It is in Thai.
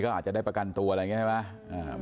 ก็อาจจะได้ประกันตัวอะไรอย่างนี้ใช่ไหม